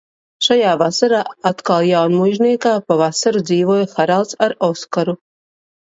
Šajā vasarā atkal Jaunmuižniekā pa vasaru dzīvoja Haralds ar Oskaru.